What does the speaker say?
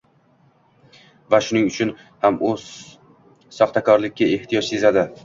va shuning uchun ham u soxtakorlikka ehtiyoj sezadi.